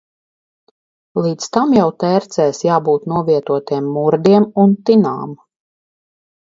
Līdz tam jau tērcēs jābūt novietotiem murdiem un tinām.